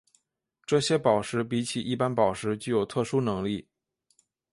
这些宝石比起一般宝石具有特殊能力。